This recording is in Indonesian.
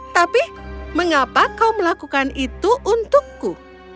tapi mengapa kau melakukan itu untukku